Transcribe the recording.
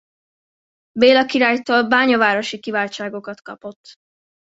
Béla királytól bányavárosi kiváltságokat kapott.